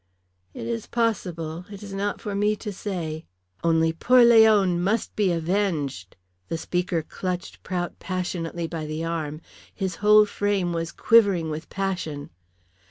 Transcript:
"It is possible. It is not for me to say. Only poor Leon must be avenged!" The speaker clutched Prout passionately by the arm. His whole frame was quivering with passion.